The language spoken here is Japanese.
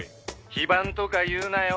非番とか言うなよ」